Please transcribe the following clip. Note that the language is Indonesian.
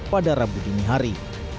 pada rabu dinihari